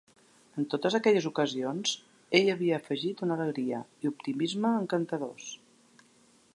En totes aquestes ocasions, ell havia afegit una alegria i optimisme encantadors.